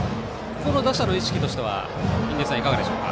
この打者の意識としてはいかがでしょうか。